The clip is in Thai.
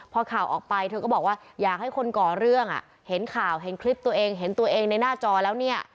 พอข่าวออกไปเธอก็บอกว่าอยากให้คนก่อเรื่องเห็นข่าวเห็นคลิปตัวเองเห็นตัวเองในหน้าจอแล้วเนี่ย